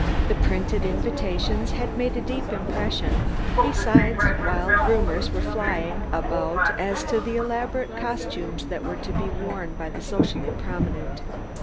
The printed invitations had made a deep impression; besides, wild rumors were flying about as to the elaborate costumes that were to be worn by the socially prominent.